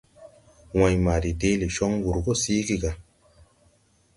Wãy ma de deele cɔŋ wǔr gɔ síigi gà.